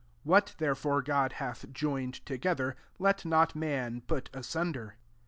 9 What, tb^e fore, God hath joined togeth^i let not man put asunder.'